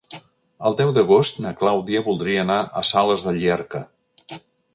El deu d'agost na Clàudia voldria anar a Sales de Llierca.